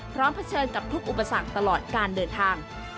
เผชิญกับทุกอุปสรรคตลอดการเดินทาง